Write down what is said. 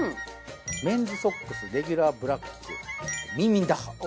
メンズソックスレギュラーブラック眠眠打破。